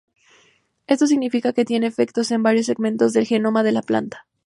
Esto significa que tiene efectos en varios segmentos del genoma de la planta.